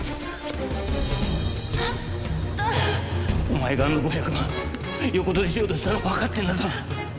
お前があの５００万横取りしようとしたのはわかってるんだぞ。